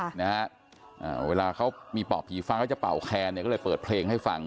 นะฮะอ่าเวลาเขามีปอบผีฟ้าเขาจะเป่าแคนเนี่ยก็เลยเปิดเพลงให้ฟัง